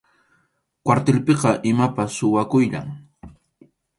Kwartilpiqa imapas suwakuyllam.